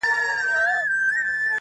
• خبر اوسه چي دي نور ازارومه..